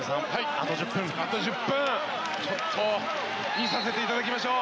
あと１０分見させていただきましょう。